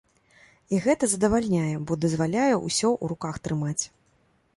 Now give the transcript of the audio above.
І гэта задавальняе, бо дазваляе ўсё ў руках трымаць.